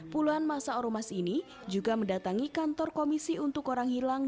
puluhan masa ormas ini juga mendatangi kantor komisi untuk orang hilang